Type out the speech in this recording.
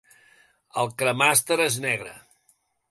El cremàster és negre.